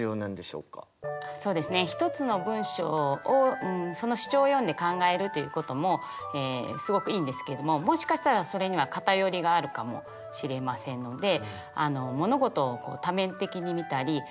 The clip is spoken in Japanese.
そうですね一つの文章をその主張を読んで考えるということもすごくいいんですけれどももしかしたらそれには偏りがあるかもしれませんのでより自分の意見がはっきりしてきたりとか。